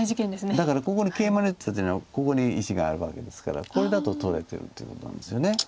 だからここにケイマに打ったっていうのはここに石があるわけですからこれだと取れてるということなんですよね。